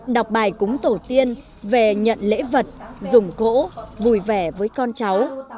đọc bài cúng tổ tiên về nhận lễ vật dùng cỗ vui vẻ với con cháu